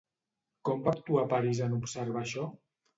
Com va actuar Paris en observar això?